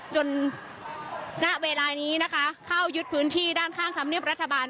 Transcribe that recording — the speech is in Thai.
ณเวลานี้นะคะเข้ายึดพื้นที่ด้านข้างธรรมเนียบรัฐบาล